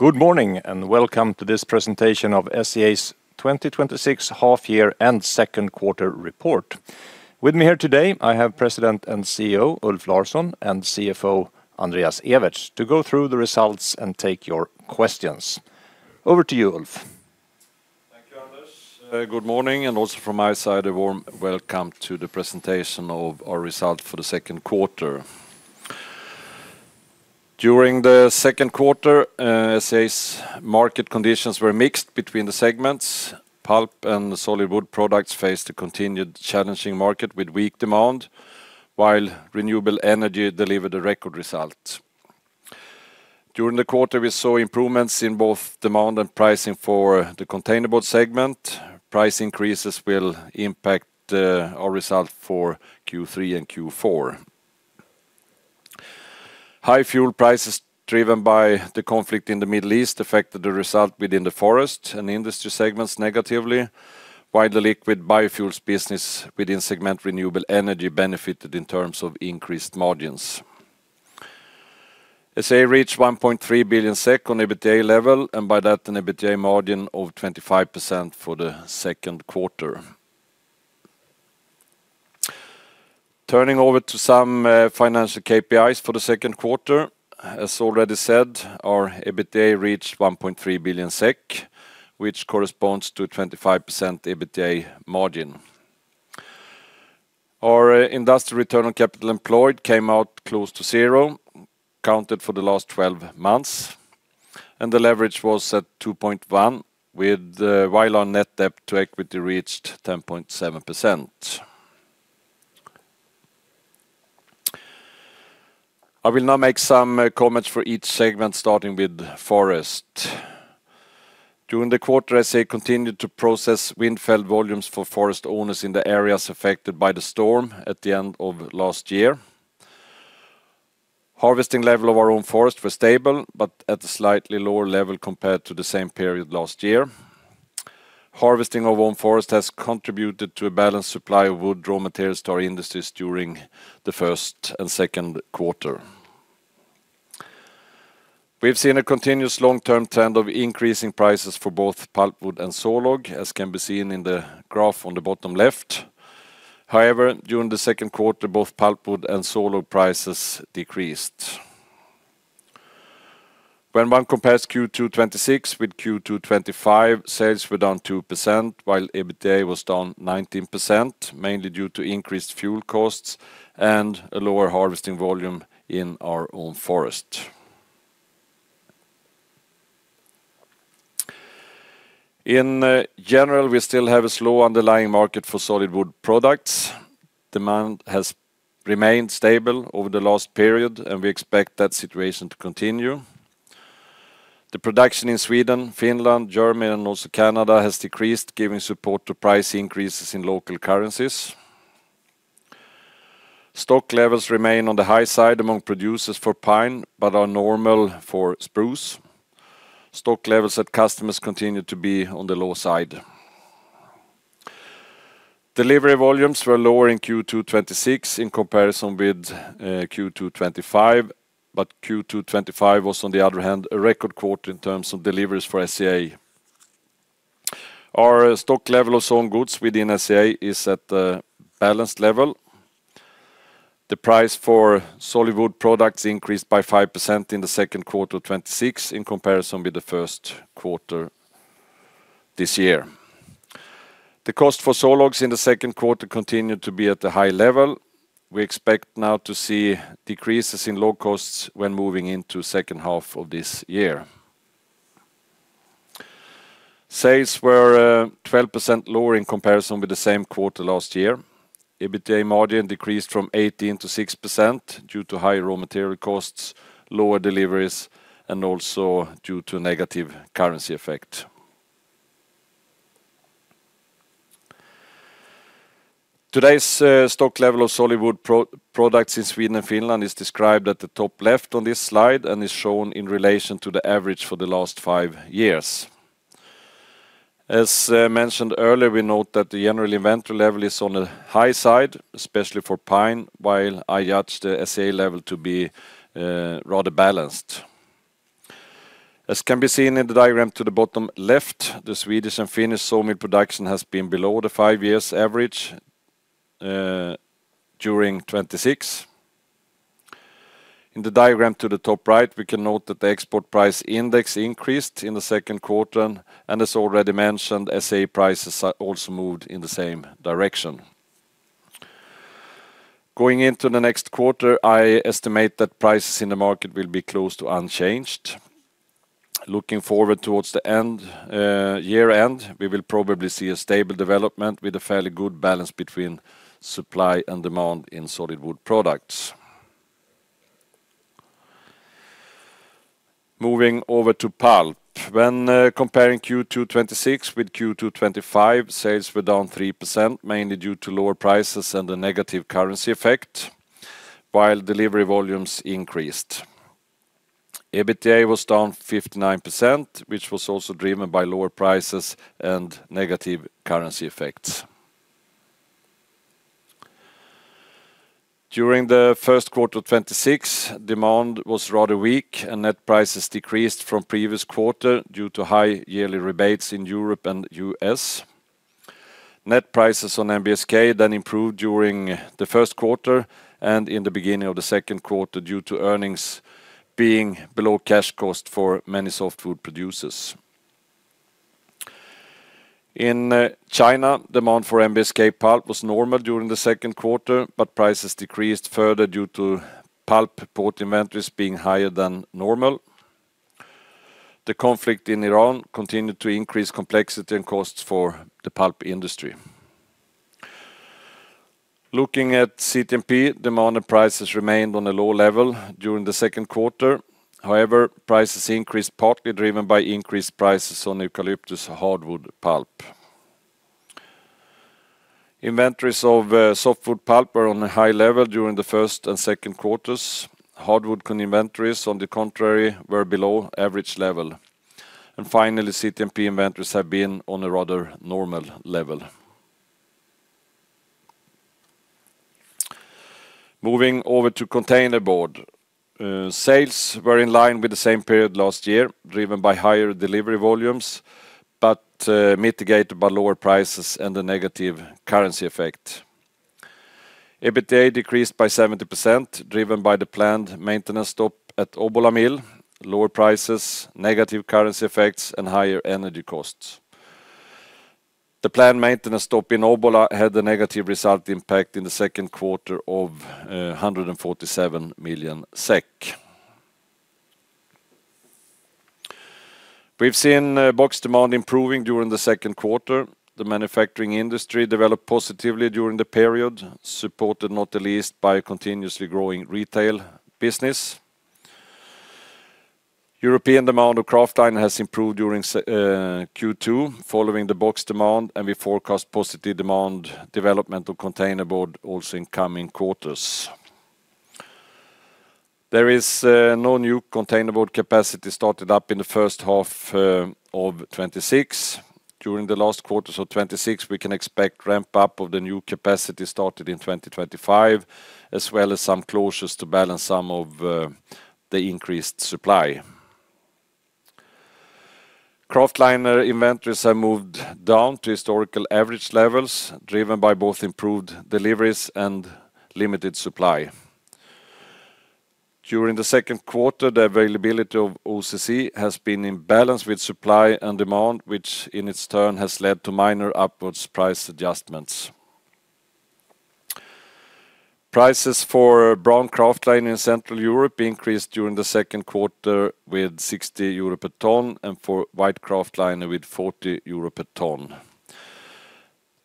Good morning, welcome to this presentation of SCA's 2026 half-year and second quarter report. With me here today, I have President and CEO, Ulf Larsson, and CFO, Andreas Ewertz, to go through the results and take your questions. Over to you, Ulf. Thank you, Anders. Good morning, also from my side, a warm welcome to the presentation of our results for the second quarter. During the second quarter, SCA's market conditions were mixed between the segments. Pulp and the solid wood products faced a continued challenging market with weak demand, while Renewable Energy delivered a record result. During the quarter, we saw improvements in both demand and pricing for the Containerboard segment. Price increases will impact our result for Q3 and Q4. High fuel prices driven by the conflict in the Middle East affected the result within the Forest and Industry segments negatively, while the liquid biofuels business within segment Renewable Energy benefited in terms of increased margins. SCA reached 1.3 billion SEK on EBITDA level, and by that, an EBITDA margin of 25% for the second quarter. Turning over to some financial KPIs for the second quarter, as already said, our EBITDA reached 1.3 billion SEK, which corresponds to 25% EBITDA margin. Our industrial Return on Capital Employed came out close to zero, counted for the last 12 months, and the leverage was at 2.1x, while our net-debt-to-equity reached 10.7%. I will now make some comments for each segment, starting with Forest. During the quarter, SCA continued to process wind-felled volumes for forest owners in the areas affected by the storm at the end of last year. Harvesting level of our own forest was stable, but at a slightly lower level compared to the same period last year. Harvesting of own forest has contributed to a balanced supply of wood raw materials to our industries during the first and second quarter. We've seen a continuous long-term trend of increasing prices for both pulpwood and sawlog, as can be seen in the graph on the bottom left. However, during the second quarter, both pulpwood and sawlog prices decreased. When one compares Q2 2026 with Q2 2025, sales were down 2%, while EBITDA was down 19%, mainly due to increased fuel costs and a lower harvesting volume in our own forest. In general, we still have a slow underlying market for solid wood products. Demand has remained stable over the last period, and we expect that situation to continue. The production in Sweden, Finland, Germany, and also Canada has decreased, giving support to price increases in local currencies. Stock levels remain on the high side among producers for pine but are normal for spruce. Stock levels at customers continue to be on the low side. Delivery volumes were lower in Q2 2026 in comparison with Q2 2025, Q2 2025 was on the other hand, a record quarter in terms of deliveries for SCA. Our stock level of some goods within SCA is at a balanced level. The price for solid wood products increased by 5% in the second quarter 2026 in comparison with the first quarter this year. The cost for sawlogs in the second quarter continued to be at a high level. We expect now to see decreases in log costs when moving into second half of this year. Sales were 12% lower in comparison with the same quarter last year. EBITDA margin decreased from 18% to 6% due to high raw material costs, lower deliveries, and also due to negative currency effect. Today's stock level of solid wood products in Sweden and Finland is described at the top left on this slide and is shown in relation to the average for the last five years. As mentioned earlier, we note that the general inventory level is on the high side, especially for pine, while I judge the SCA level to be rather balanced. As can be seen in the diagram to the bottom left, the Swedish and Finnish sawmill production has been below the five years average during 2026. In the diagram to the top right, we can note that the export price index increased in the second quarter. As already mentioned, SCA prices also moved in the same direction. Going into the next quarter, I estimate that prices in the market will be close to unchanged. Looking forward towards the year-end, we will probably see a stable development with a fairly good balance between supply and demand in solid wood products. Moving over to pulp. When comparing Q2 2026 with Q2 2025, sales were down 3%, mainly due to lower prices and a negative currency effect, while delivery volumes increased. EBITDA was down 59%, which was also driven by lower prices and negative currency effects. During the first quarter of 2026, demand was rather weak. Net prices decreased from previous quarter due to high yearly rebates in Europe and U.S. Net prices on NBSK improved during the first quarter and in the beginning of the second quarter due to earnings being below cash cost for many softwood producers. In China, demand for NBSK pulp was normal during the second quarter, prices decreased further due to pulp port inventories being higher than normal. The conflict in Iran continued to increase complexity and costs for the pulp industry. Looking at CTMP, demand and prices remained on a low level during the second quarter. Prices increased, partly driven by increased prices on eucalyptus hardwood pulp. Inventories of softwood pulp were on a high level during the first and second quarters. Hardwood inventories, on the contrary, were below average level. Finally, CTMP inventories have been on a rather normal level. Moving over to Containerboard. Sales were in line with the same period last year, driven by higher delivery volumes, mitigated by lower prices and a negative currency effect. EBITDA decreased by 70%, driven by the planned maintenance stop at Obbola mill, lower prices, negative currency effects, and higher energy costs. The planned maintenance stop in Obbola had a negative result impact in the second quarter of 147 million SEK. We've seen box demand improving during the second quarter. The manufacturing industry developed positively during the period, supported not the least by a continuously growing retail business. European demand of kraftliner has improved during Q2, following the box demand, and we forecast positive demand development of Containerboard also in coming quarters. There is no new Containerboard capacity started up in the first half of 2026. During the last quarters of 2026, we can expect ramp-up of the new capacity started in 2025, as well as some closures to balance some of the increased supply. Kraftliner inventories have moved down to historical average levels, driven by both improved deliveries and limited supply. During the second quarter, the availability of OCC has been in balance with supply and demand, which in its turn has led to minor upwards price adjustments. Prices for brown kraftliner in Central Europe increased during the second quarter with 60 euro per ton and for white kraftliner with 40 euro per ton.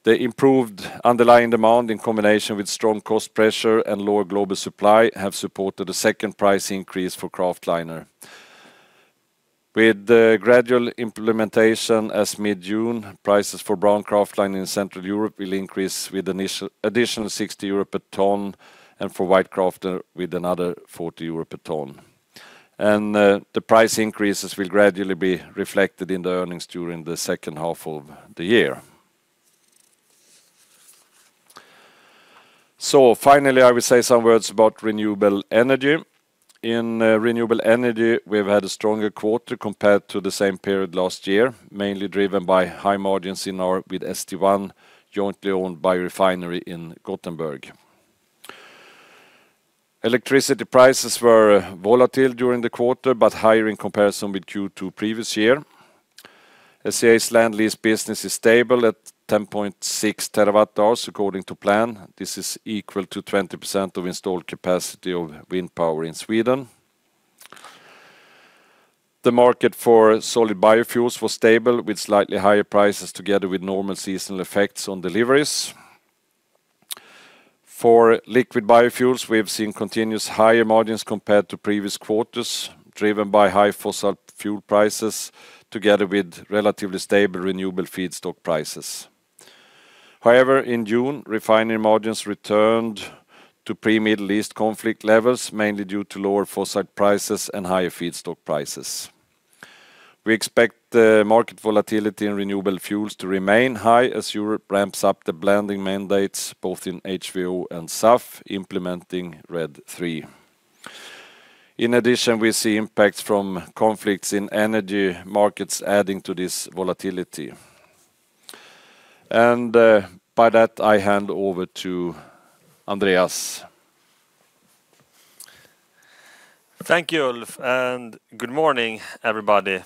The improved underlying demand in combination with strong cost pressure and lower global supply have supported the second price increase for kraftliner. With the gradual implementation as mid-June, prices for brown kraftliner in Central Europe will increase with additional 60 euro per ton and for white kraftliner with another 40 euro per ton. The price increases will gradually be reflected in the earnings during the second half of the year. Finally, I will say some words about Renewable Energy. In Renewable Energy, we've had a stronger quarter compared to the same period last year, mainly driven by high margins in our with St1, jointly owned biorefinery in Gothenburg. Electricity prices were volatile during the quarter, but higher in comparison with Q2 previous year. SCA's land lease business is stable at 10.6 TWh according to plan. This is equal to 20% of installed capacity of wind power in Sweden. The market for solid biofuels was stable with slightly higher prices together with normal seasonal effects on deliveries. For liquid biofuels, we have seen continuous higher margins compared to previous quarters, driven by high fossil fuel prices, together with relatively stable renewable feedstock prices. However, in June, refinery margins returned to pre-Middle East conflict levels, mainly due to lower fossil prices and higher feedstock prices. We expect the market volatility in renewable fuels to remain high as Europe ramps up the blending mandates both in HVO and SAF, implementing RED III. In addition, we see impacts from conflicts in energy markets adding to this volatility. By that, I hand over to Andreas. Thank you, Ulf, good morning, everybody.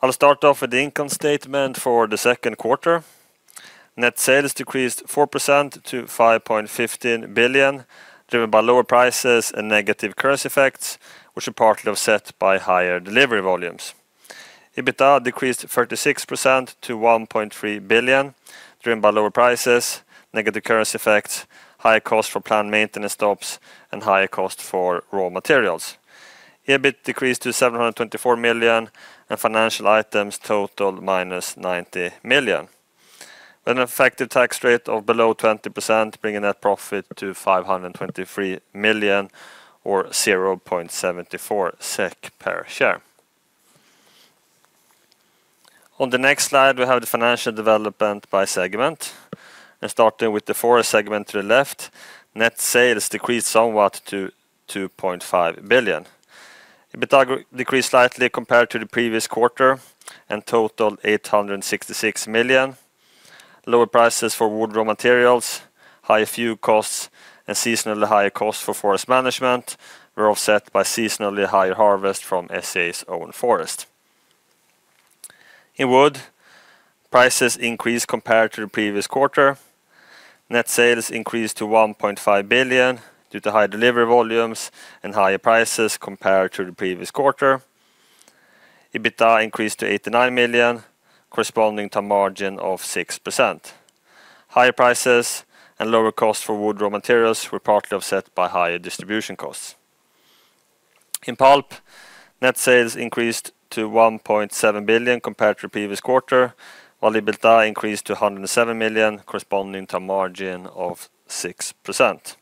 I'll start off with the income statement for the second quarter. Net sales decreased 4% to 5.15 billion, driven by lower prices and negative currency effects, which are partly offset by higher delivery volumes. EBITDA decreased 36% to 1.3 billion, driven by lower prices, negative currency effects, higher costs for planned maintenance stops, and higher costs for raw materials. EBIT decreased to 724 million, and financial items totaled -90 million. With an effective tax rate of below 20%, bringing net profit to 523 million or 0.74 SEK per share. On the next slide, we have the financial development by segment, starting with the forest segment to the left, net sales decreased somewhat to 2.5 billion. EBITDA decreased slightly compared to the previous quarter and totaled 866 million. Lower prices for wood raw materials, higher fuel costs, and seasonally higher costs for forest management were offset by seasonally higher harvest from SCA's own forest. In wood, prices increased compared to the previous quarter. Net sales increased to 1.5 billion due to higher delivery volumes and higher prices compared to the previous quarter. EBITDA increased to 89 million, corresponding to a margin of 6%. Higher prices and lower costs for wood raw materials were partly offset by higher distribution costs. In Pulp, net sales increased to 1.7 billion compared to the previous quarter, while EBITDA increased to 107 million, corresponding to a margin of 6%.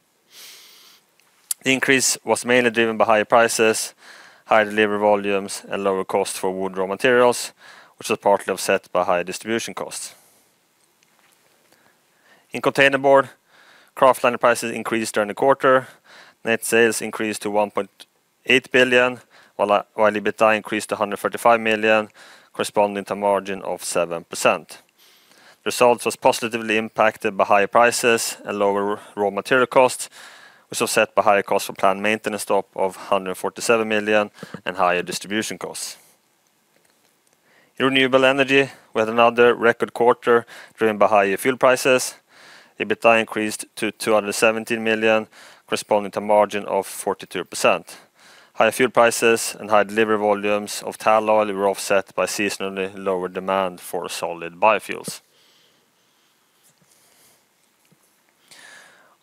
The increase was mainly driven by higher prices, higher delivery volumes, and lower costs for wood raw materials, which was partly offset by higher distribution costs. In Containerboard, kraftliner prices increased during the quarter. Net sales increased to 1.8 billion, while EBITDA increased to 135 million, corresponding to a margin of 7%. Results was positively impacted by higher prices and lower raw material costs, which were offset by higher costs for planned maintenance stop of 147 million and higher distribution costs. In Renewable Energy, we had another record quarter driven by higher fuel prices. EBITDA increased to 217 million, corresponding to a margin of 42%. Higher fuel prices and higher delivery volumes of tall oil were offset by seasonally lower demand for solid biofuels.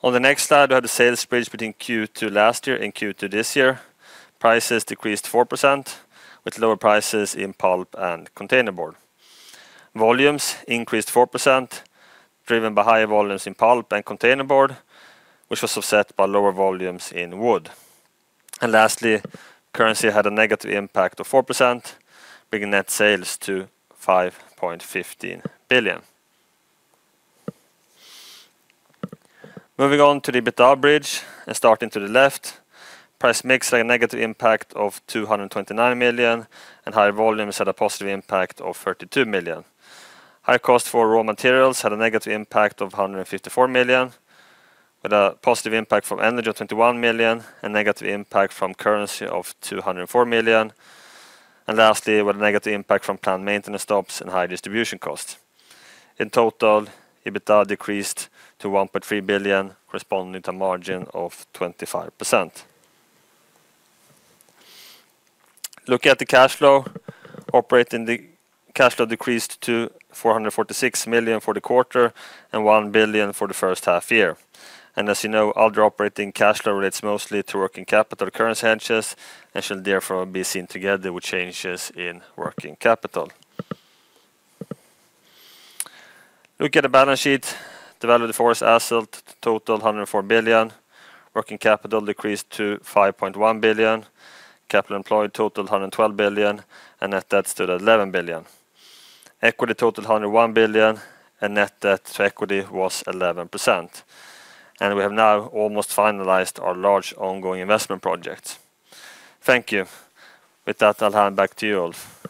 On the next slide, we have the sales bridge between Q2 last year and Q2 this year. Prices decreased 4%, with lower prices in Pulp and Containerboard. Volumes increased 4%, driven by higher volumes in Pulp and Containerboard, which was offset by lower volumes in wood. Lastly, currency had a negative impact of 4%, bringing net sales to 5.15 billion. Moving on to the EBITDA bridge starting to the left, price mix had a negative impact of 229 million, higher volumes had a positive impact of 32 million. Higher cost for raw materials had a negative impact of 154 million, with a positive impact from energy of 21 million, a negative impact from currency of 204 million, lastly, we had a negative impact from planned maintenance stops and high distribution costs. In total, EBITDA decreased to 1.3 billion, corresponding to a margin of 25%. Looking at the cash flow, operating cash flow decreased to 446 million for the quarter and 1 billion for the first half-year. As you know, other operating cash flow relates mostly to working capital currency hedges and shall therefore be seen together with changes in working capital. Looking at the balance sheet, the value of the forest asset totaled 104 billion. Working capital decreased to 5.1 billion. Capital employed totaled 112 billion, and net debt stood at 11 billion. Equity totaled 101 billion, and net debt to equity was 11%. We have now almost finalized our large ongoing investment projects. Thank you. With that, I'll hand back to you, Ulf.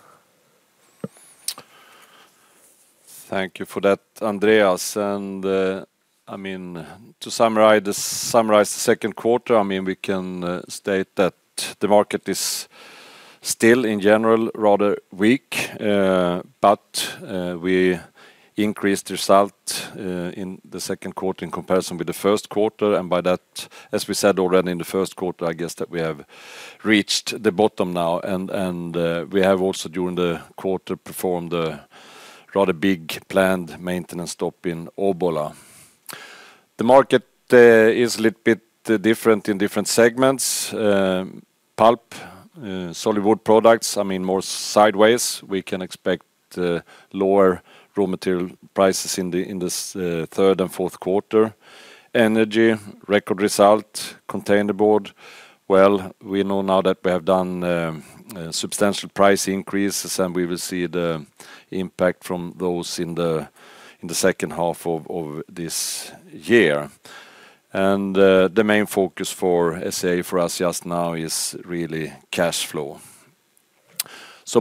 Thank you for that, Andreas. To summarize the second quarter, we can state that the market is still, in general, rather weak. We increased result in the second quarter in comparison with the first quarter, and by that, as we said already in the first quarter, I guess that we have reached the bottom now, and we have also, during the quarter, performed a rather big planned maintenance stop in Obbola. The market is a little bit different in different segments. Pulp, solid wood products, more sideways. We can expect lower raw material prices in the third and fourth quarter. Energy, record result. Containerboard, well, we know now that we have done substantial price increases, and we will see the impact from those in the second half of this year. The main focus for SCA for us just now is really cash flow.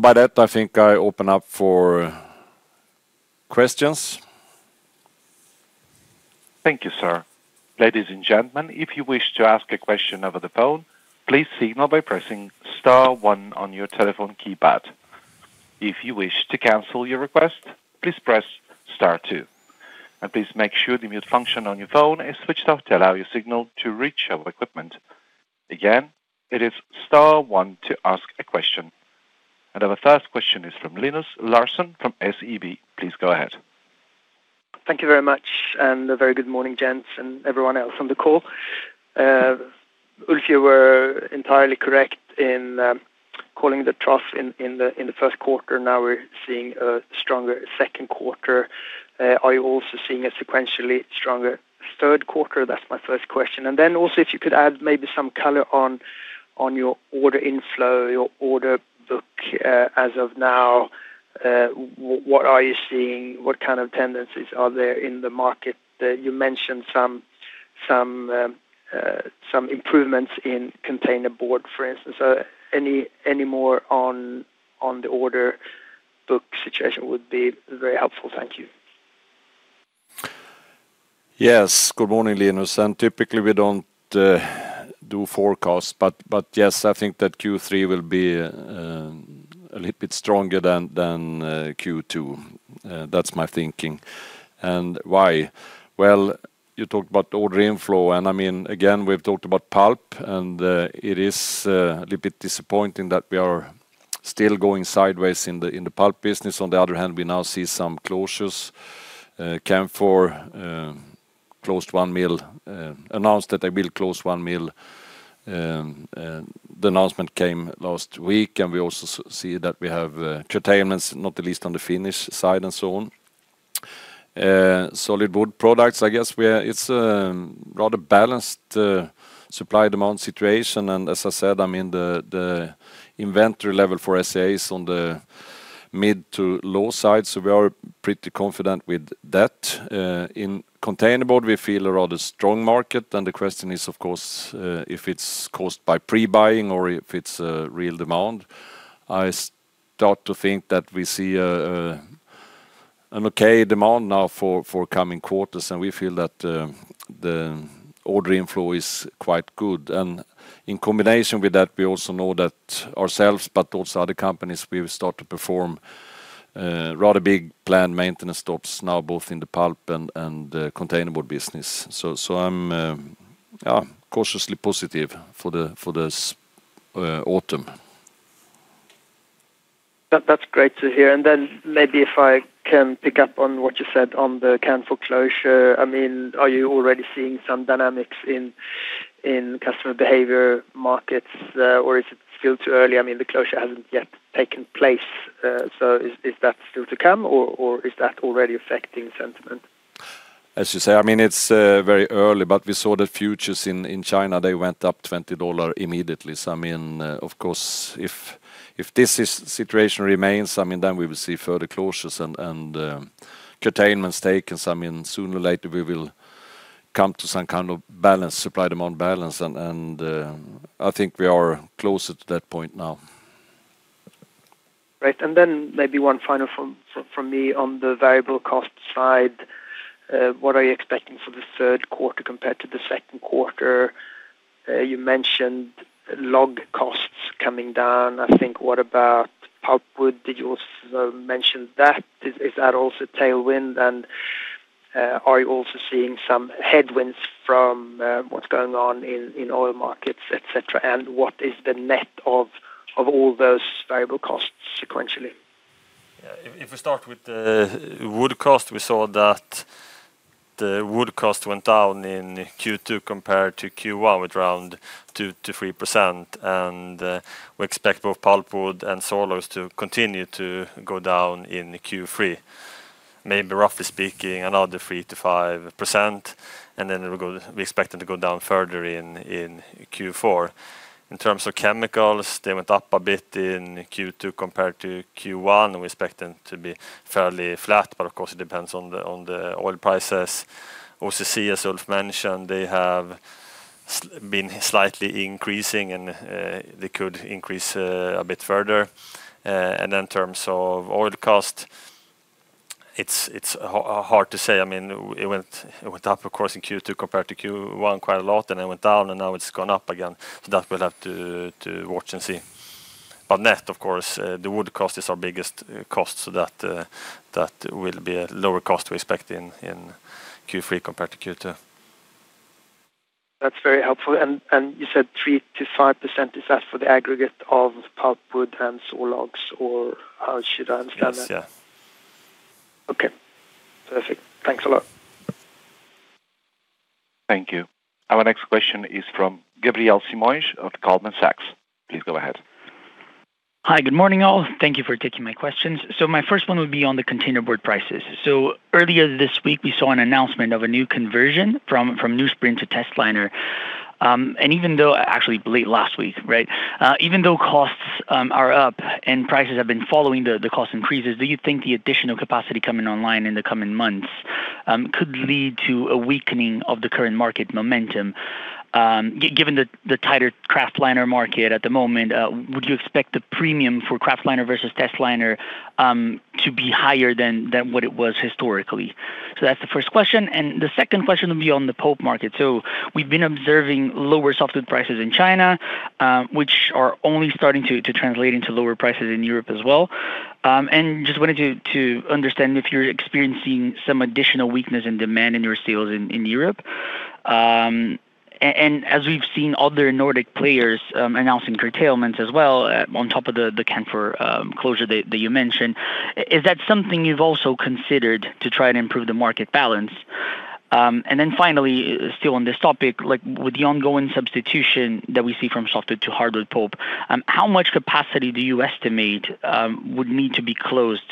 By that, I think I open up for questions. Thank you, sir. Ladies and gentlemen, if you wish to ask a question over the phone, please signal by pressing star one on your telephone keypad. If you wish to cancel your request, please press star two. Please make sure the mute function on your phone is switched off to allow your signal to reach our equipment. Again, it is star one to ask a question. Our first question is from Linus Larsson from SEB. Please go ahead. Thank you very much, and a very good morning, gents and everyone else on the call. Ulf, you were entirely correct in calling the trough in the first quarter. Now we're seeing a stronger second quarter. Are you also seeing a sequentially stronger third quarter? That's my first question. If you could add maybe some color on your order inflow, your order book as of now, what are you seeing? What kind of tendencies are there in the market? You mentioned some improvements in Containerboard, for instance. Any more on the order book situation would be very helpful. Thank you. Yes. Good morning, Linus. Typically, we don't do forecasts, but yes, I think that Q3 will be a little bit stronger than Q2. That's my thinking. Why? Well, you talked about order inflow. We've talked about pulp, and it is a little bit disappointing that we are still going sideways in the pulp business. On the other hand, we now see some closures. Canfor announced that they will close one mill. The announcement came last week. We also see that we have curtailments, not the least on the Finnish side and so on. Solid wood products, I guess it's a rather balanced supply-demand situation. As I said, the inventory level for SCA is on the mid to low side, so we are pretty confident with that. In Containerboard, we feel a rather strong market. The question is, of course, if it's caused by pre-buying or if it's a real demand. I start to think that we see an okay demand now for coming quarters. We feel that the order inflow is quite good. In combination with that, we also know that ourselves, but also other companies, we've started to perform rather big planned maintenance stops now, both in the pulp and the Containerboard business. I'm cautiously positive for this autumn. That's great to hear. Maybe if I can pick up on what you said on the Canfor closure. Are you already seeing some dynamics in customer behavior markets, or is it still too early? The closure hasn't yet taken place. Is that still to come, or is that already affecting sentiment? As you say, it's very early, we saw the futures in China, they went up $20 immediately. Of course, if this situation remains, then we will see further closures and curtailments taken. Sooner or later, we will come to some kind of supply-demand balance, and I think we are closer to that point now. Right. Then maybe one final from me on the variable cost side, what are you expecting for the third quarter compared to the second quarter? You mentioned log costs coming down, I think. What about pulpwood? Did you also mention that? Is that also tailwind, are you also seeing some headwinds from what's going on in oil markets, et cetera? What is the net of all those variable costs sequentially? If we start with the wood cost, we saw that the wood cost went down in Q2 compared to Q1 with around 2%-3%, we expect both pulpwood and sawlogs to continue to go down in Q3, maybe roughly speaking, another 3%-5%, then we expect them to go down further in Q4. In terms of chemicals, they went up a bit in Q2 compared to Q1, we expect them to be fairly flat, of course, it depends on the oil prices. OCC, as Ulf mentioned, they have been slightly increasing, they could increase a bit further. In terms of oil cost, it's hard to say. It went up, of course, in Q2 compared to Q1 quite a lot, then it went down, now it's gone up again. That we'll have to watch and see. Net, of course, the wood cost is our biggest cost, that will be a lower cost we expect in Q3 compared to Q2. That's very helpful. You said 3%-5%, is that for the aggregate of pulpwood and sawlogs, or how should I understand that? Yes. Okay. Perfect. Thanks a lot. Thank you. Our next question is from Gabriel Simões of Goldman Sachs. Please go ahead. Hi. Good morning, all. Thank you for taking my questions. My first one would be on the Containerboard prices. Earlier this week, we saw an announcement of a new conversion from newsprint to testliner. Actually, late last week. Even though costs are up and prices have been following the cost increases, do you think the additional capacity coming online in the coming months could lead to a weakening of the current market momentum? Given the tighter kraftliner market at the moment, would you expect the premium for kraftliner versus testliner to be higher than what it was historically? That's the first question. The second question will be on the pulp market. We've been observing lower softwood prices in China, which are only starting to translate into lower prices in Europe as well. Just wanted to understand if you are experiencing some additional weakness in demand in your sales in Europe. As we have seen other Nordic players announcing curtailments as well, on top of the Canfor closure that you mentioned, is that something you have also considered to try to improve the market balance? Finally, still on this topic, with the ongoing substitution that we see from softwood to hardwood pulp, how much capacity do you estimate would need to be closed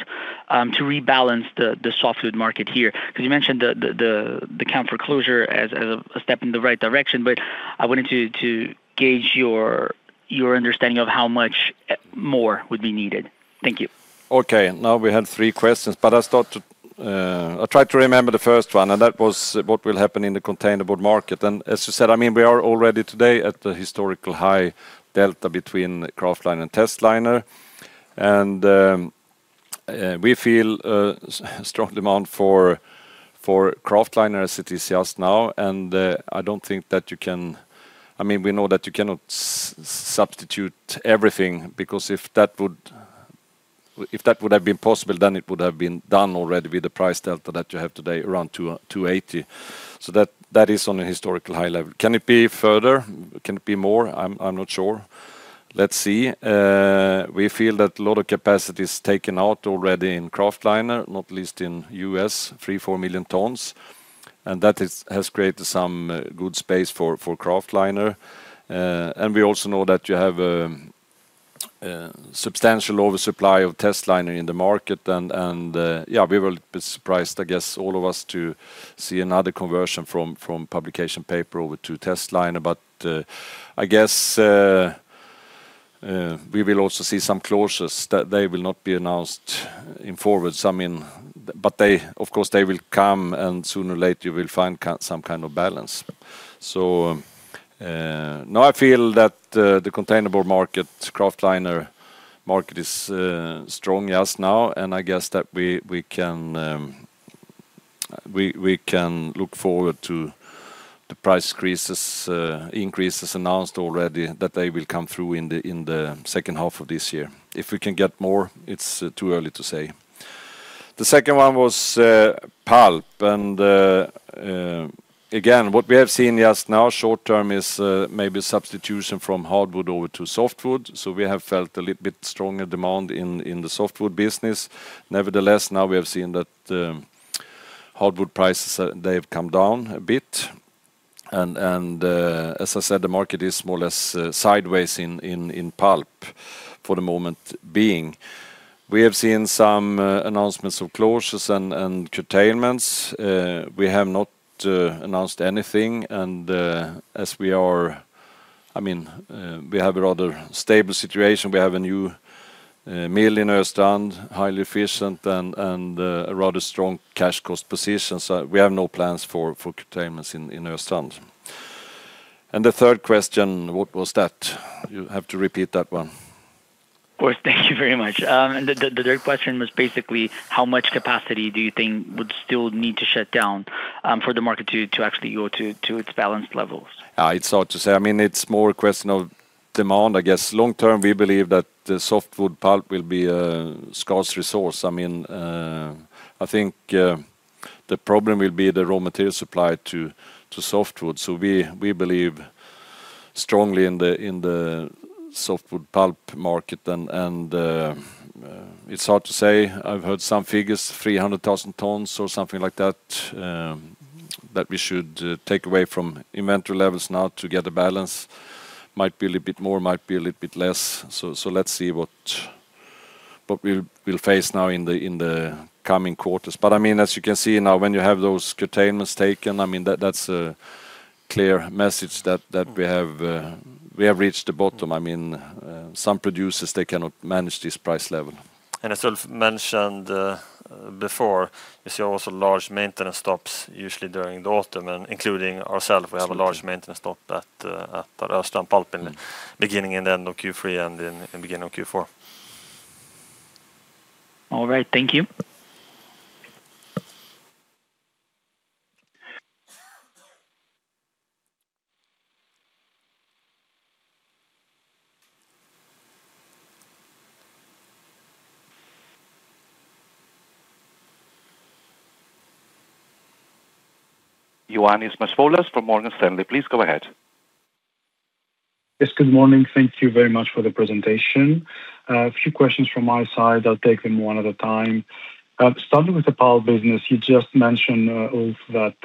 to rebalance the softwood market here, because you mentioned the Canfor closure as a step in the right direction, but I wanted to gauge your understanding of how much more would be needed. Thank you. Okay. We had three questions, but I try to remember the first one, what will happen in the Containerboard market. As you said, we are already today at the historical high delta between kraftliner and testliner. We feel a strong demand for kraftliner as it is just now. We know that you cannot substitute everything, because if that would have been possible, then it would have been done already with the price delta that you have today around 280. That is on a historical high level. Can it be further? Can it be more? I am not sure. Let us see. We feel that a lot of capacity is taken out already in kraftliner, not least in U.S., 3 million tons-4 million tons. That has created some good space for kraftliner. We also know that you have a substantial oversupply of testliner in the market and we will be surprised, I guess, all of us, to see another conversion from publication paper over to testliner. I guess we will also see some closures. They will not be announced in forward. Of course, they will come, and sooner or later, we will find some kind of balance. Now I feel that the Containerboard market, kraftliner market, is strong just now, and I guess that we can look forward to the price increases announced already that they will come through in the second half of this year. If we can get more, it is too early to say. The second one was pulp. Again, what we have seen just now short-term is maybe substitution from hardwood over to softwood. We have felt a little bit stronger demand in the softwood business. Nevertheless, now we have seen that hardwood prices, they have come down a bit. As I said, the market is more or less sideways in pulp for the moment being. We have seen some announcements of closures and curtailments. We have not announced anything, and we have a rather stable situation. We have a new mill in Östrand, highly efficient, and a rather strong cash cost position. We have no plans for curtailments in Östrand. The third question, what was that? You have to repeat that one. Of course. Thank you very much. The third question was basically how much capacity do you think would still need to shut down for the market to actually go to its balanced levels? It's hard to say. It's more a question of demand, I guess. Long term, we believe that the softwood pulp will be a scarce resource. I think the problem will be the raw material supply to softwood. We believe strongly in the softwood pulp market, it's hard to say. I've heard some figures, 300,000 tons or something like that we should take away from inventory levels now to get a balance. Might be a little bit more, might be a little bit less. Let's see what we'll face now in the coming quarters. As you can see now, when you have those curtailments taken, that's a clear message that we have reached the bottom. Some producers, they cannot manage this price level. As Ulf mentioned before, you see also large maintenance stops usually during the autumn, including ourself, we have a large maintenance stop at Östrand pulp in beginning and end of Q3 and in beginning of Q4. All right. Thank you. Ioannis Masvoulas from Morgan Stanley. Please go ahead. Yes, good morning. Thank you very much for the presentation. A few questions from my side. I will take them one at a time. Starting with the pulp business, you just mentioned, Ulf, that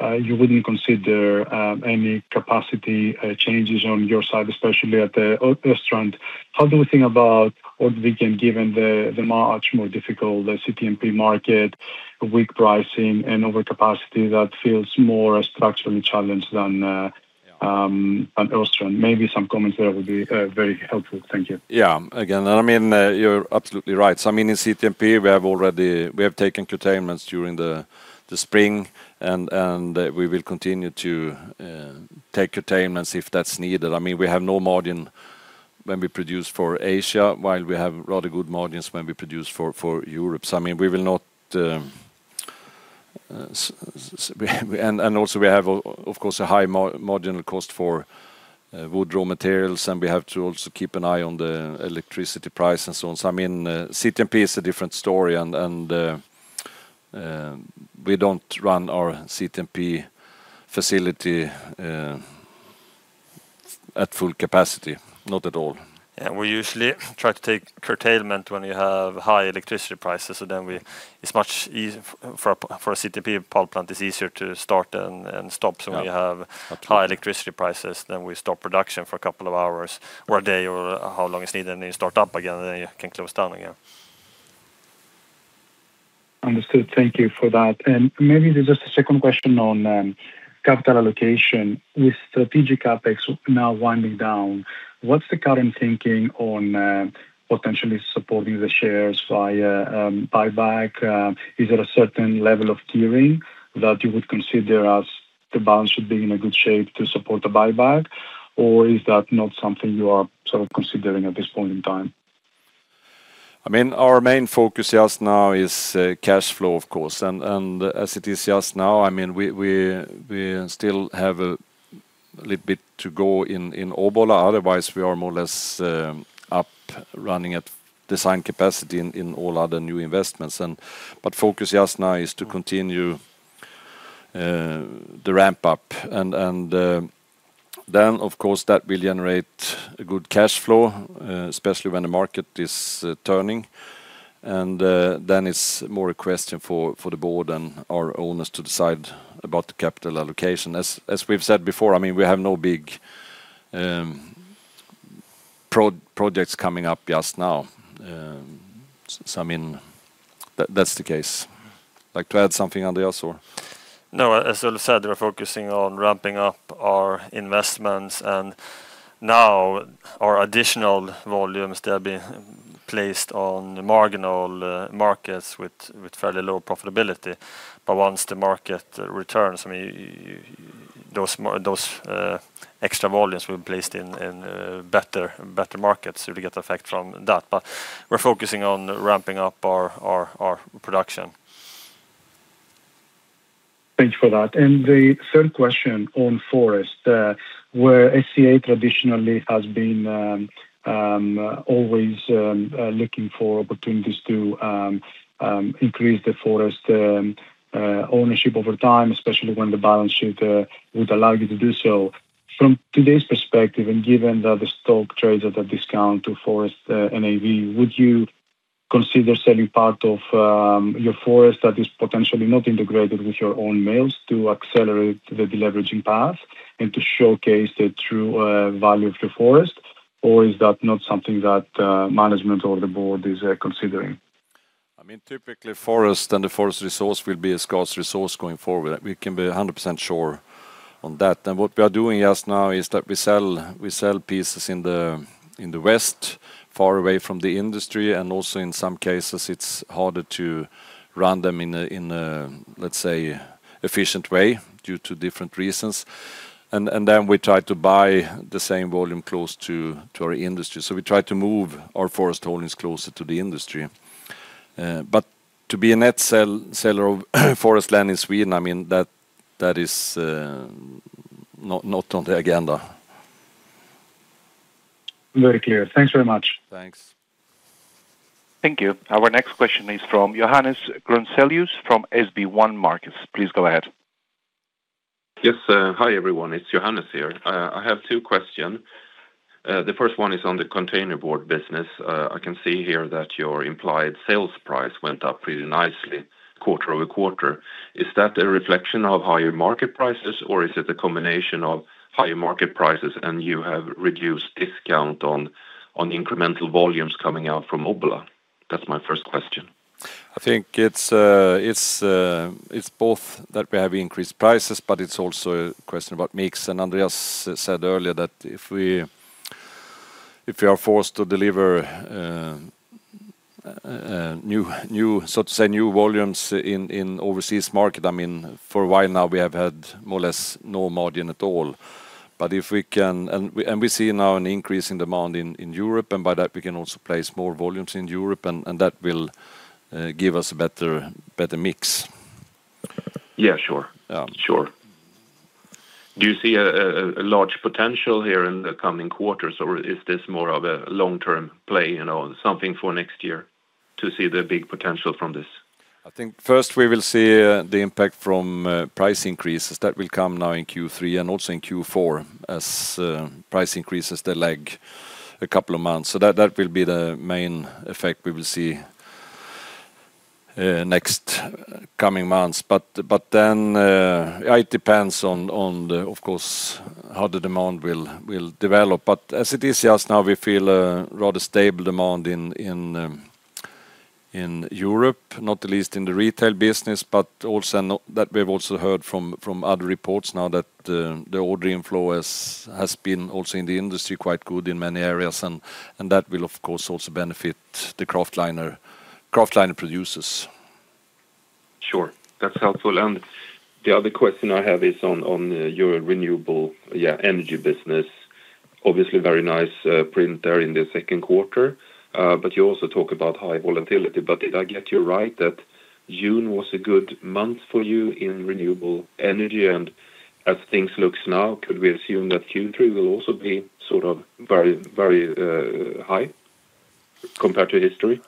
you wouldn't consider any capacity changes on your side, especially at Östrand. How do we think about Ortviken given the much more difficult CTMP market, weak pricing, and overcapacity that feels more structurally challenged than Östrand? Maybe some comments there would be very helpful. Thank you. Yeah. Again, you're absolutely right. In CTMP, we have taken curtailments during the spring. We will continue to take curtailments if that's needed. We have no margin when we produce for Asia, while we have rather good margins when we produce for Europe. Also we have, of course, a high marginal cost for wood raw materials, and we have to also keep an eye on the electricity price and so on. CTMP is a different story, and we don't run our CTMP facility at full capacity, not at all. Yeah, we usually try to take curtailment when you have high electricity prices. For a CTMP pulp plant, it's easier to start and stop. Yeah. Absolutely. When we have high electricity prices, we stop production for a couple of hours or a day or how long it's needed, then you start up again, then you can close down again. Understood. Thank you for that. Maybe just a second question on capital allocation. With strategic CapEx now winding down, what's the current thinking on potentially supporting the shares via buyback? Is it a certain level of tiering that you would consider as the balance should be in a good shape to support the buyback? Is that not something you are considering at this point in time? Our main focus just now is cash flow, of course. As it is just now, we still have a little bit to go in Obbola. Otherwise, we are more or less up running at design capacity in all other new investments. Focus just now is to continue the ramp-up. Then, of course, that will generate a good cash flow, especially when the market is turning. Then it's more a question for the board and our owners to decide about the capital allocation. As we've said before, we have no big projects coming up just now. That's the case. Like to add something, Andreas? No, as Ulf said, we're focusing on ramping up our investments. Now our additional volumes, they're being placed on marginal markets with fairly low profitability. Once the market returns, those extra volumes will be placed in better markets. We get effect from that, but we're focusing on ramping up our production. Thanks for that. The third question on forest, where SCA traditionally has been always looking for opportunities to increase the forest ownership over time, especially when the balance sheet would allow you to do so. From today's perspective, given that the stock trades at a discount to forest NAV, would you consider selling part of your forest that is potentially not integrated with your own mills to accelerate the deleveraging path and to showcase the true value of your forest? Is that not something that management or the board is considering? Typically, forest and the forest resource will be a scarce resource going forward. We can be 100% sure on that. What we are doing just now is that we sell pieces in the West, far away from the industry, and also in some cases, it's harder to run them in a, let's say, efficient way due to different reasons. Then we try to buy the same volume close to our industry. We try to move our forest holdings closer to the industry. To be a net seller of forest land in Sweden, that is not on the agenda. Very clear. Thanks very much. Thanks. Thank you. Our next question is from Johannes Grunselius from SB1 Markets. Please go ahead. Yes. Hi, everyone. It's Johannes here. I have two question. The first one is on the Containerboard business. I can see here that your implied sales price went up pretty nicely quarter-over-quarter. Is that a reflection of higher market prices, or is it a combination of higher market prices and you have reduced discount on incremental volumes coming out from Obbola? That's my first question. I think it's both that we have increased prices, but it's also a question about mix. Andreas said earlier that if we are forced to deliver, so to say, new volumes in overseas market, for a while now, we have had more or less no margin at all. We see now an increase in demand in Europe, by that, we can also place more volumes in Europe, and that will give us a better mix. Yeah, sure. Yeah. Sure. Do you see a large potential here in the coming quarters, or is this more of a long-term play, something for next year to see the big potential from this? I think first we will see the impact from price increases. That will come now in Q3 and also in Q4 as price increases, they lag a couple of months. That will be the main effect we will see next coming months. It depends on, of course, how the demand will develop. As it is just now, we feel a rather stable demand in Europe, not the least in the retail business, but also that we've also heard from other reports now that the order inflow has been also in the industry, quite good in many areas, and that will, of course, also benefit the kraftliner producers. Sure. That's helpful. The other question I have is on your Renewable Energy business. Obviously, very nice print there in the second quarter. You also talk about high volatility. Did I get you right that June was a good month for you in Renewable Energy, and as things looks now, could we assume that Q3 will also be very high compared to history?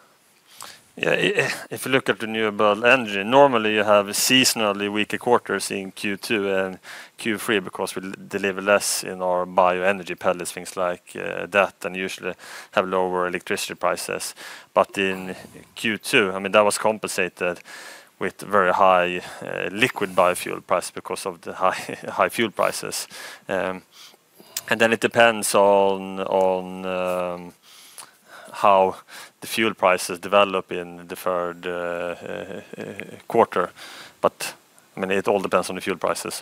Yeah. If you look at the Renewable Energy, normally you have seasonally weaker quarters in Q2 and Q3 because we deliver less in our bioenergy pellets, things like that, and usually have lower electricity prices. In Q2, that was compensated with very high liquid biofuel price because of the high fuel prices. It depends on how the fuel prices develop in the third quarter. It all depends on the fuel prices.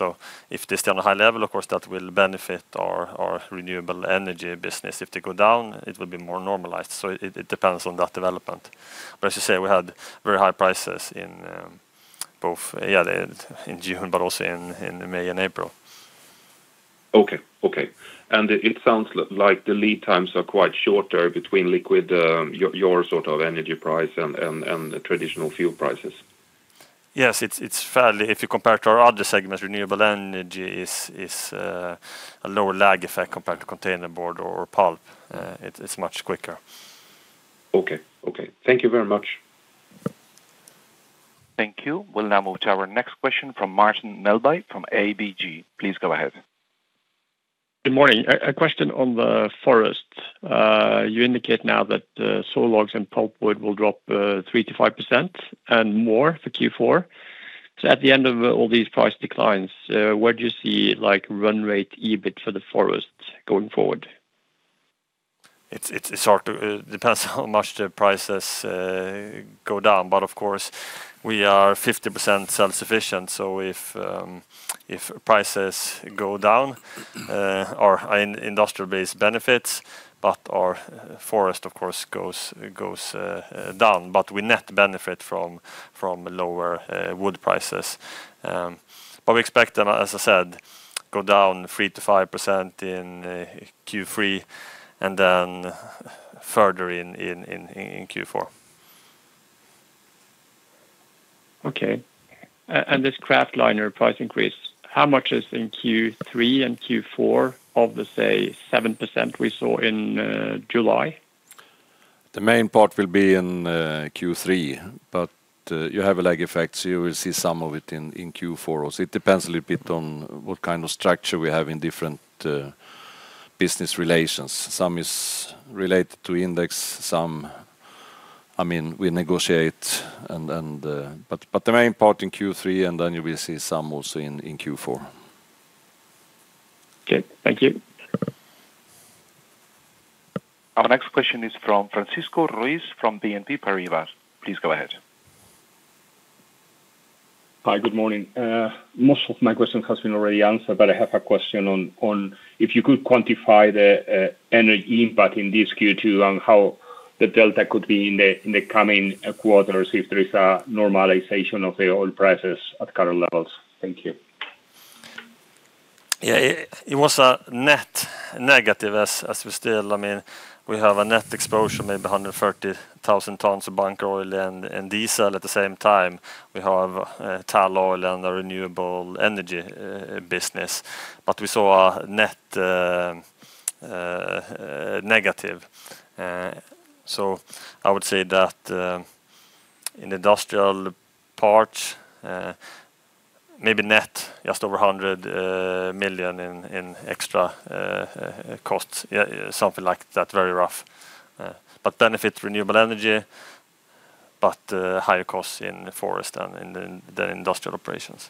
If they stay on a high level, of course, that will benefit our Renewable Energy business. If they go down, it will be more normalized. It depends on that development. As you say, we had very high prices in both June, but also in May and April. Okay. It sounds like the lead times are quite shorter between liquid, your sort of energy price and the traditional fuel prices. Yes. If you compare it to our other segments, Renewable Energy is a lower lag effect compared to Containerboard or Pulp. It's much quicker. Okay. Thank you very much. Thank you. We'll now move to our next question from Martin Melbye from ABG. Please go ahead. Good morning. A question on the forest. You indicate now that saw logs and pulpwood will drop 3%-5% and more for Q4. At the end of all these price declines, where do you see run rate EBIT for the forest going forward? It depends how much the prices go down, but of course we are 50% self-sufficient, so if prices go down, our industrial base benefits, but our forest, of course, goes down. We net benefit from lower wood prices. We expect them, as I said, go down 3%-5% in Q3 and then further in Q4. Okay. This kraftliner price increase, how much is in Q3 and Q4 of the, say, 7% we saw in July? The main part will be in Q3, but you have a lag effect, so you will see some of it in Q4. It depends a little bit on what kind of structure we have in different business relations. Some is related to index, some we negotiate. The main part in Q3, and then you will see some also in Q4. Okay. Thank you. Our next question is from Francisco Ruiz from BNP Paribas. Please go ahead. Hi. Good morning. Most of my question has been already answered, but I have a question on if you could quantify the energy impact in this Q2 and how the delta could be in the coming quarters if there is a normalization of the oil prices at current levels. Thank you. Yeah. It was a net negative as we still have a net exposure, maybe 130,000 tons of bunker oil and diesel. At the same time, we have tall oil and a Renewable Energy business, but we saw a net negative. I would say that in the industrial part, maybe net just over 100 million in extra costs. Something like that, very rough. But benefit Renewable Energy, but higher costs in the forest and in the industrial operations.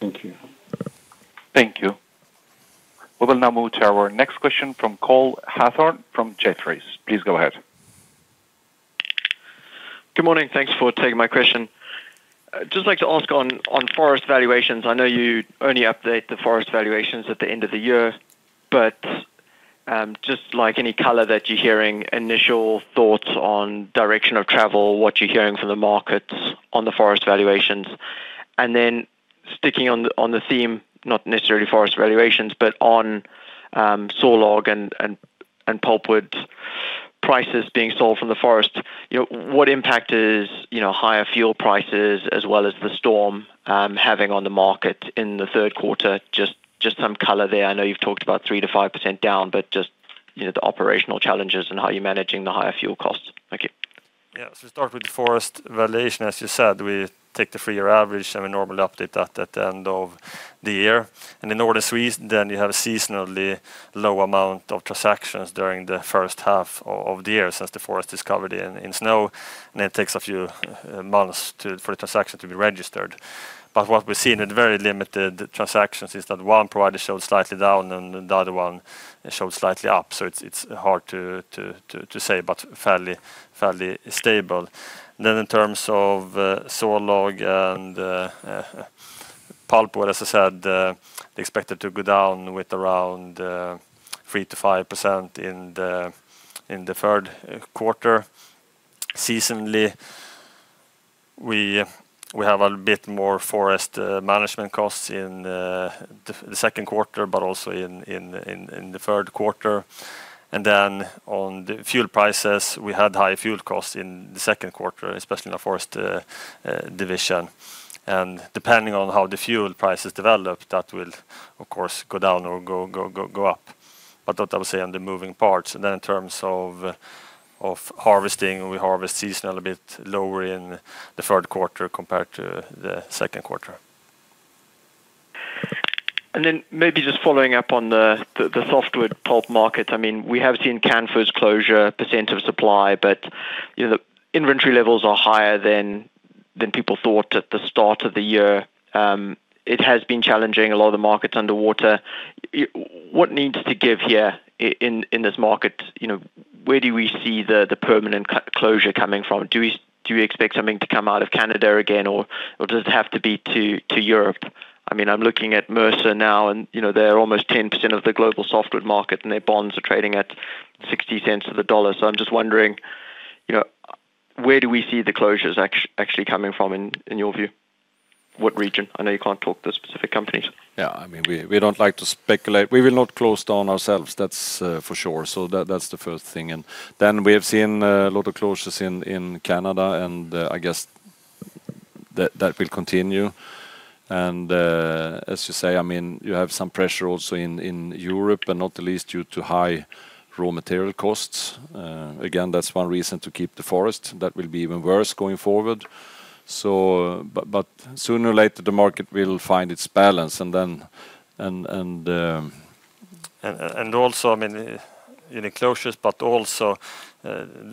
Thank you. Thank you. We will now move to our next question from Cole Hathorn from Jefferies. Please go ahead. Good morning. Thanks for taking my question. Just like to ask on forest valuations, I know you only update the forest valuations at the end of the year, but just any color that you are hearing, initial thoughts on direction of travel, what you are hearing from the markets on the forest valuations. Sticking on the theme, not necessarily forest valuations, but on saw log and pulpwood prices being sold from the forest. What impact is higher fuel prices as well as the storm having on the market in the third quarter? Just some color there. I know you have talked about 3%-5% down, but just the operational challenges and how you are managing the higher fuel costs. Thank you. Start with the forest valuation. As you said, we take the three-year average and we normally update that at the end of the year. In order to then you have a seasonally low amount of transactions during the first half of the year since the forest is covered in snow, and it takes a few months for the transaction to be registered. What we see in the very limited transactions is that one provider showed slightly down and the other one showed slightly up. It is hard to say, but fairly stable. In terms of saw log and pulpwood, as I said, expected to go down with around 3%-5% in the third quarter. Seasonally, we have a bit more forest management costs in the second quarter, but also in the third quarter. On the fuel prices, we had high fuel costs in the second quarter, especially in the forest division. Depending on how the fuel prices develop, that will of course go down or go up. That I will say on the moving parts. In terms of harvesting, we harvest seasonally a bit lower in the third quarter compared to the second quarter. Maybe just following up on the softwood pulp market. We have seen Canfor's closure percent of supply, but the inventory levels are higher than people thought at the start of the year. It has been challenging, a lot of the market is underwater. What needs to give here in this market? Where do we see the permanent closure coming from? Do we expect something to come out of Canada again, or does it have to be to Europe? I am looking at Mercer now, and they are almost 10% of the global softwood market, and their bonds are trading at $0.60-$1.00. I am just wondering, where do we see the closures actually coming from in your view? What region? I know you cannot talk to specific companies. We do not like to speculate. We will not close down ourselves, that is for sure. That is the first thing. We have seen a lot of closures in Canada, and I guess that will continue. As you say, you have some pressure also in Europe and not the least due to high raw material costs. Again, that is one reason to keep the forest. That will be even worse going forward. Sooner or later, the market will find its balance. Also, in the closures, but also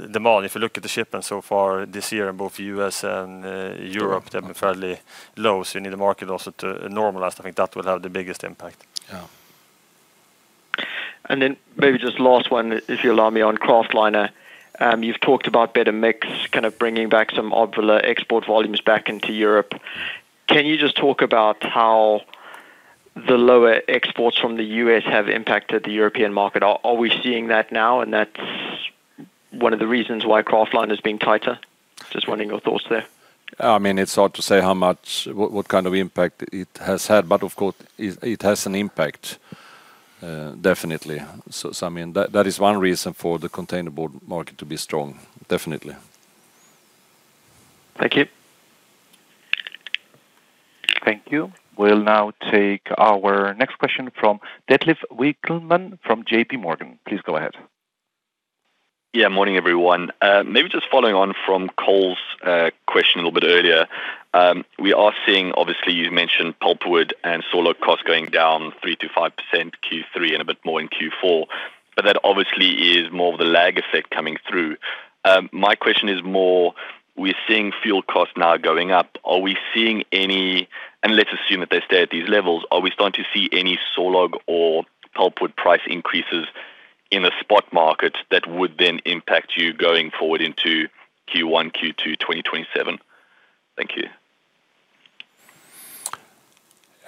demand. If you look at the shipments so far this year in both U.S. and Europe, they have been fairly low. You need the market also to normalize. I think that will have the biggest impact. Yeah. Last one, if you allow me on kraftliner. You've talked about better mix, kind of bringing back some Obbola export volumes back into Europe. Can you just talk about how the lower exports from the U.S. have impacted the European market? Are we seeing that now, and that's one of the reasons why kraftliner is being tighter? Just wondering your thoughts there. It's hard to say what kind of impact it has had, but of course, it has an impact, definitely. That is one reason for the Containerboard market to be strong, definitely. Thank you. Thank you. We'll now take our next question from Detlef Winckelmann from JPMorgan. Please go ahead. Morning, everyone. Following on from Cole's question a little bit earlier. We are seeing, obviously, you mentioned pulpwood and sawlog costs going down 3%-5% Q3 and a bit more in Q4. That obviously is more of the lag effect coming through. My question is, we're seeing fuel costs now going up. Are we seeing any, and let's assume that they stay at these levels, are we starting to see any sawlog or pulpwood price increases in the spot market that would then impact you going forward into Q1, Q2 2027? Thank you.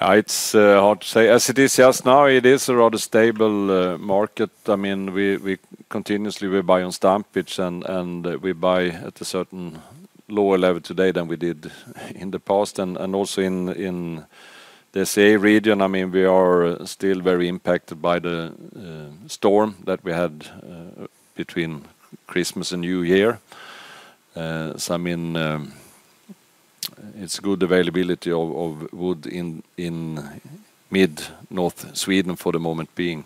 It's hard to say. As it is just now, it is a rather stable market. Continuously, we buy on stumpage. We buy at a certain lower level today than we did in the past. Also in the SCA region, we are still very impacted by the storm that we had between Christmas and New Year. It's good availability of wood in mid-north Sweden for the moment being.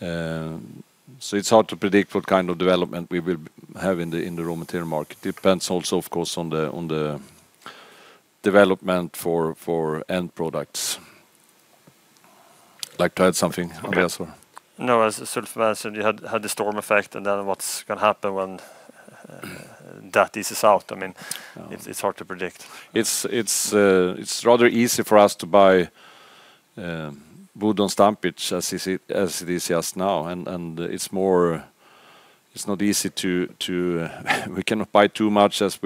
It's hard to predict what kind of development we will have in the raw material market. It depends also, of course, on the development for end products. Like to add something, Andreas? No, as Ulf mentioned, you had the storm effect. What's going to happen when that eases out? It's hard to predict. It's rather easy for us to buy wood on stumpage as it is just now. We cannot buy too much as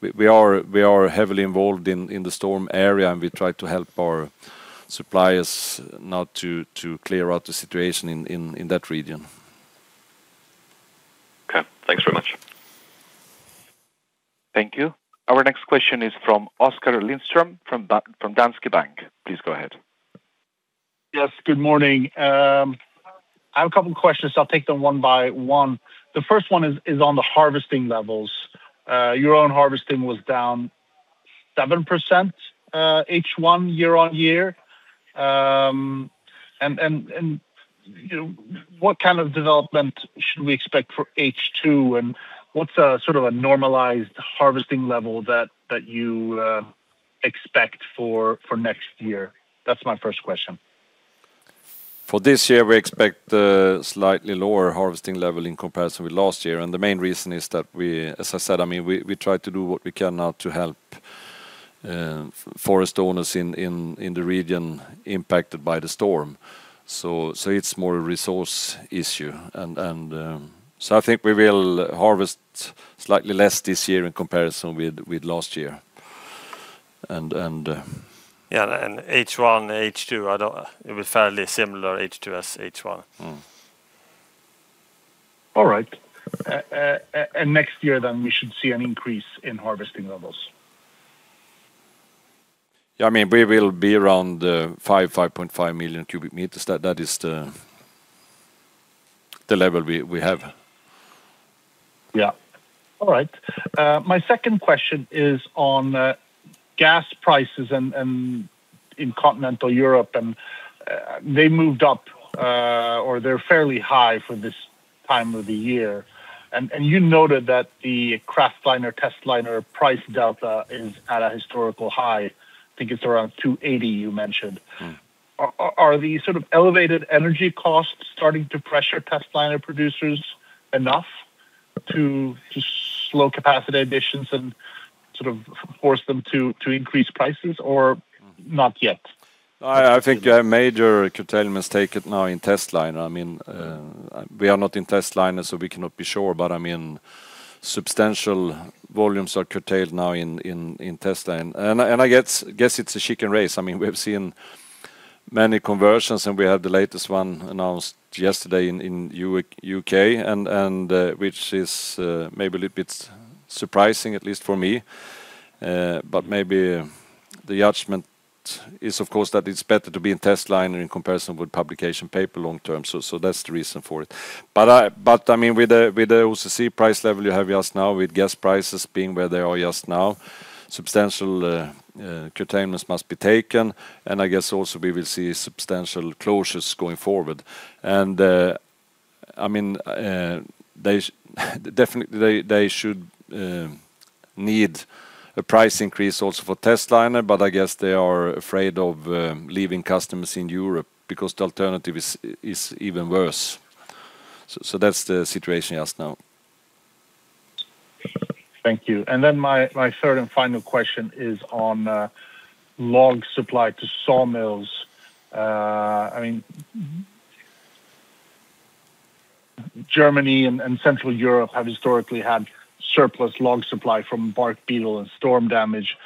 we are heavily involved in the storm area. We try to help our suppliers now to clear out the situation in that region. Okay, thanks very much. Thank you. Our next question is from Oskar Lindström from Danske Bank. Please go ahead. Yes, good morning. I have a couple questions. I'll take them one by one. The first one is on the harvesting levels. Your own harvesting was down 7% H1 year-on-year. What kind of development should we expect for H2, and what's a normalized harvesting level that you expect for next year? That's my first question. For this year, we expect a slightly lower harvesting level in comparison with last year, and the main reason is that we, as I said, we try to do what we can now to help forest owners in the region impacted by the storm. It's more a resource issue. I think we will harvest slightly less this year in comparison with last year. Yeah, H1, H2, it was fairly similar H2 as H1. All right. Next year, then we should see an increase in harvesting levels? Yeah, we will be around 5.5 million cubic meters. That is the level we have. Yeah. All right. My second question is on gas prices in continental Europe. They moved up, or they're fairly high for this time of the year. You noted that the kraftliner, testliner price delta is at a historical high. I think it's around 280 you mentioned. Are the sort of elevated energy costs starting to pressure testliner producers enough to slow capacity additions and force them to increase prices or not yet? I think you have major curtailments taken now in testliner. We are not in testliner, so we cannot be sure, but substantial volumes are curtailed now in testliner. I guess it's a chicken race. We have seen many conversions, and we have the latest one announced yesterday in U.K., which is maybe a little bit surprising, at least for me. Maybe the judgment is, of course, that it's better to be in testliner in comparison with publication paper long term. That's the reason for it. With the OCC price level you have just now, with gas prices being where they are just now, substantial curtailments must be taken, and I guess also we will see substantial closures going forward. Definitely they should need a price increase also for testliner. I guess they are afraid of leaving customers in Europe because the alternative is even worse. That's the situation just now. Thank you. Then my third and final question is on log supply to sawmills. Germany and Central Europe have historically had surplus log supply from bark beetle and storm damage.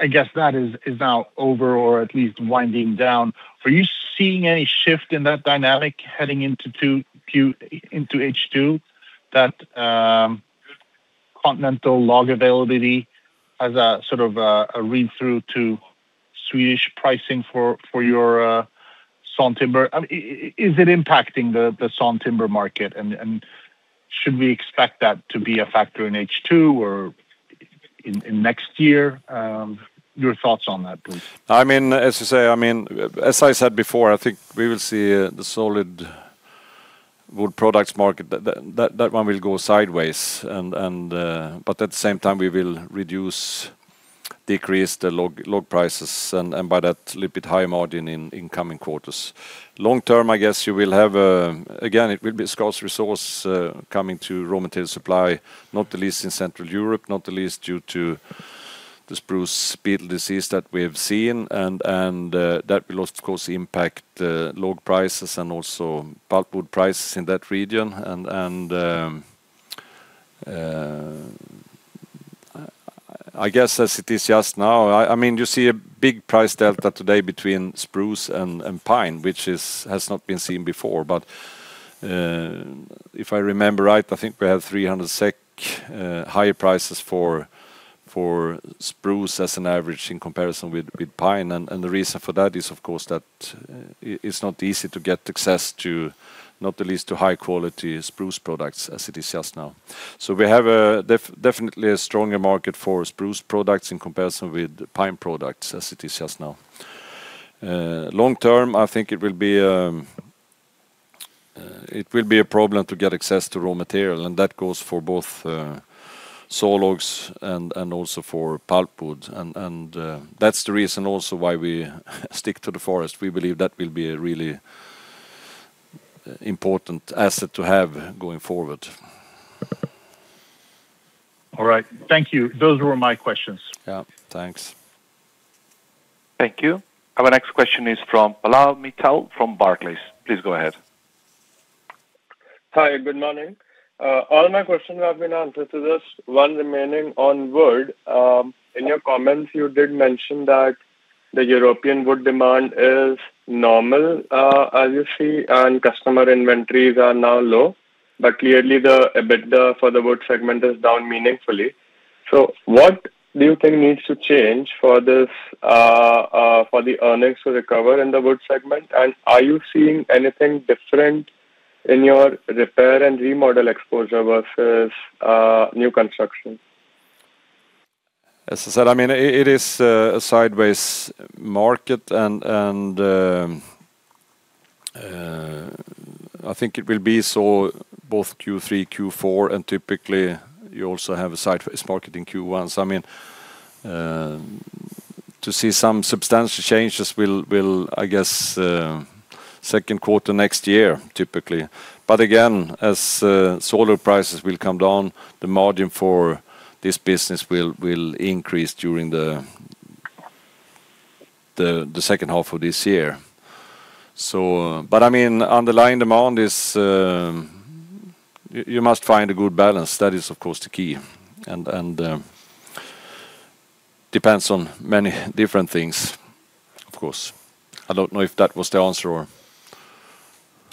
I guess that is now over or at least winding down. Are you seeing any shift in that dynamic heading into H2? That continental log availability has a sort of a read-through to Swedish pricing for your sawn timber? Is it impacting the sawn timber market, and should we expect that to be a factor in H2 or in next year? Your thoughts on that, please. As I said before, I think we will see the solid wood products market, that one will go sideways. At the same time, we will reduce, decrease the log prices and by that little bit higher margin in coming quarters. Long term, I guess you will have, again, it will be a scarce resource coming to raw material supply, not the least in Central Europe, not the least due to the spruce beetle disease that we have seen. That will of course impact log prices and also pulpwood prices in that region. I guess as it is just now, you see a big price delta today between spruce and pine, which has not been seen before. If I remember right, I think we have 300 SEK higher prices for spruce as an average in comparison with pine. The reason for that is, of course, that it's not easy to get access to, not the least to high-quality spruce products as it is just now. We have definitely a stronger market for spruce products in comparison with pine products as it is just now. Long term, I think it will be a problem to get access to raw material, and that goes for both sawlogs and also for pulpwood. That's the reason also why we stick to the forest. We believe that will be a really important asset to have going forward. All right. Thank you. Those were my questions. Yeah. Thanks. Thank you. Our next question is from Pallav Mittal from Barclays. Please go ahead. Hi, good morning. All my questions have been answered. There's one remaining on wood. In your comments, you did mention that the European wood demand is normal as you see, and customer inventories are now low, but clearly the EBITDA for the wood segment is down meaningfully. What do you think needs to change for the earnings to recover in the wood segment? Are you seeing anything different in your repair and remodel exposure versus new construction? As I said, it is a sideways market, and I think it will be so both Q3, Q4, and typically, you also have a sideways market in Q1. To see some substantial changes will, I guess, second quarter next year, typically. Again, as sawlog prices will come down, the margin for this business will increase during the second half of this year. Underlying demand is, you must find a good balance. That is, of course, the key. Depends on many different things, of course. I don't know if that was the answer.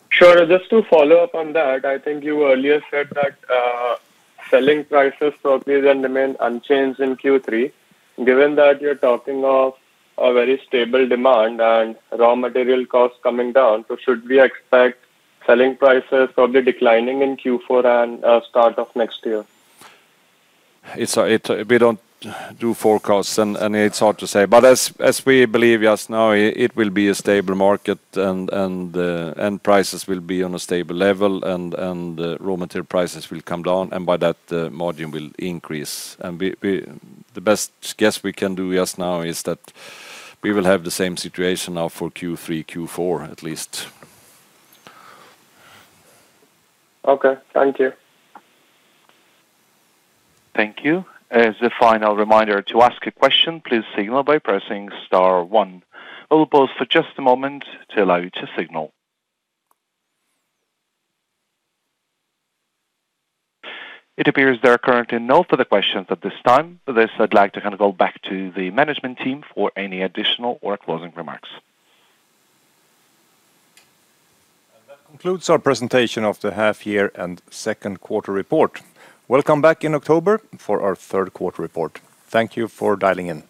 Sure. Just to follow up on that, I think you earlier said that selling prices probably will remain unchanged in Q3. Given that you're talking of a very stable demand and raw material costs coming down, should we expect selling prices probably declining in Q4 and start of next year? We don't do forecasts. It's hard to say. As we believe just now, it will be a stable market and prices will be on a stable level and raw material prices will come down, and by that, the margin will increase. The best guess we can do just now is that we will have the same situation now for Q3, Q4, at least. Okay. Thank you. Thank you. As a final reminder to ask a question, please signal by pressing star one. We'll pause for just a moment to allow you to signal. It appears there are currently no further questions at this time. For this, I'd like to hand it all back to the management team for any additional or closing remarks. That concludes our presentation of the half year and second quarter report. Welcome back in October for our third quarter report. Thank you for dialing in.